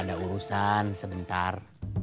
tidak ada urusan sebentar